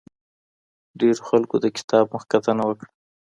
ډېرو خلکو د کتاب مخکتنه وکړه.